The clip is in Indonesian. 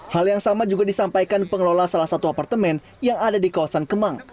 hal yang sama juga disampaikan pengelola salah satu apartemen yang ada di kawasan kemang